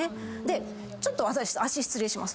ちょっと足失礼します。